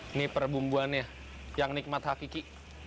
ini perbumbuannya yang nikmat hakiki